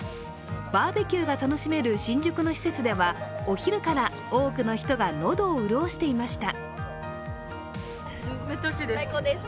バーベキューが楽しめる新宿の施設ではお昼から多くの人が喉を潤していました。